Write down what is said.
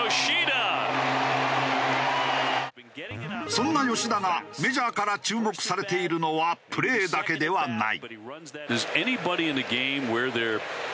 そんな吉田がメジャーから注目されているのはプレーだけではない。